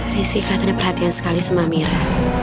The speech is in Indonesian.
rizky aku ada perhatian sekali sama amira